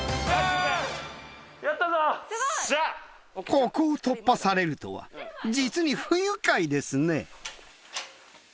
ここを突破されるとは実に不愉快ですね。